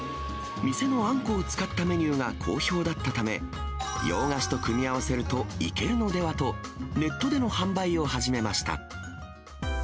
店のあんこを使ったメニューが好評だったため、洋菓子と組み合わせるといけるのではと、ネットでの販売を始めました。